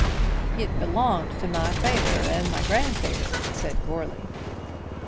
"It belonged to my feyther and grandfeyther," said Goarly.